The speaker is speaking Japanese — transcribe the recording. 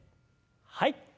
はい。